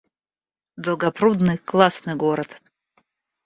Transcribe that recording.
Долгопрудный — классный город